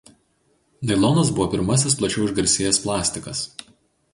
Nailonas buvo pirmasis plačiau išgarsėjęs plastikas.